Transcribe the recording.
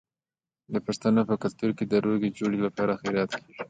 د پښتنو په کلتور کې د روغې جوړې لپاره خیرات کیږي.